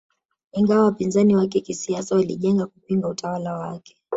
Ingawa wapinzani wake kisiasa walijenga kupinga utawala wake